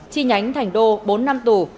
chi nhánh thành đô bốn năm tù